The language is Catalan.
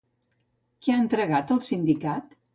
Què ha entregat, el sindicat?